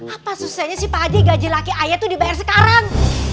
apa susahnya sih pak haji gaji laki ayah itu dibayar sekarang